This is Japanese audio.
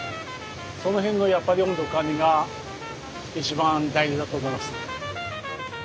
その辺のやっぱり温度管理が一番大事だと思います。